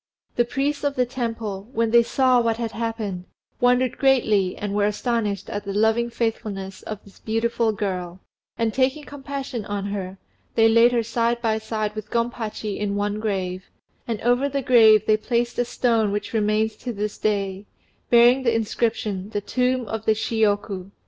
The priests of the temple, when they saw what had happened, wondered greatly and were astonished at the loving faithfulness of this beautiful girl, and taking compassion on her, they laid her side by side with Gompachi in one grave, and over the grave they placed a stone which remains to this day, bearing the inscription "The Tomb of the Shiyoku."